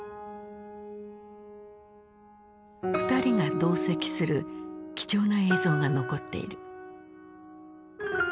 ２人が同席する貴重な映像が残っている。